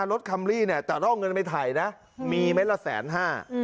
รถคำลี่เนี้ยแต่เราเอาเงินไปถ่ายนะมีเมตรละแสนห้า